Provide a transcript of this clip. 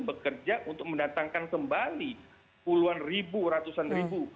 bekerja untuk mendatangkan kembali puluhan ribu ratusan ribu